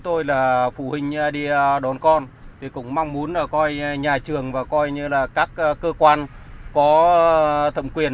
tôi là phụ huynh đi đón con thì cũng mong muốn là nhà trường và các cơ quan có thẩm quyền